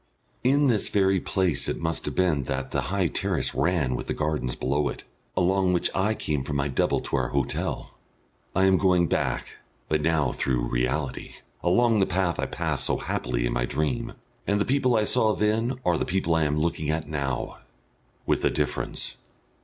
In this very place it must have been that the high terrace ran with the gardens below it, along which I came from my double to our hotel. I am going back, but now through reality, along the path I passed so happily in my dream. And the people I saw then are the people I am looking at now with a difference.